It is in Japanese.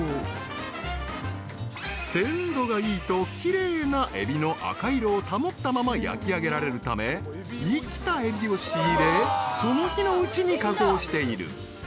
［鮮度がいいと奇麗なエビの赤色を保ったまま焼きあげられるため生きたエビを仕入れその日のうちに加工している］